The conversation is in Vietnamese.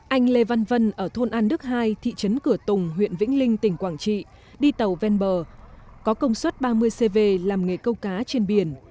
anh lê văn vân ở thôn an đức hai thị trấn cửa tùng huyện vĩnh linh tỉnh quảng trị đi tàu ven bờ có công suất ba mươi cv làm nghề câu cá trên biển